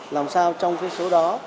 làm sao trong số đó